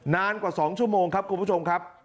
นานกว่า๒ชั่วโมงครับคุณผู้ชมครับ